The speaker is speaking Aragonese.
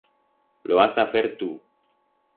Lo has a fer tu.